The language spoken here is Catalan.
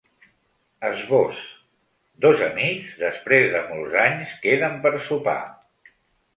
Esbós: Dos amics, després de molts anys, queden per sopar.